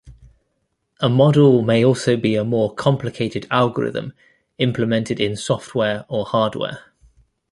A model may also be a more complicated algorithm implemented in software or hardware.